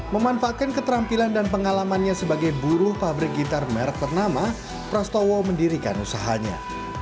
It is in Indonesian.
memanfaatkan keterampilan dan pengalamannya sebagai buruh pabrik gitar merk bernama rastowo mendirikan usahanya